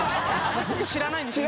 私たち知らないんですよ